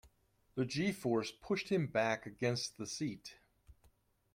The G-force pushed him back against the seat.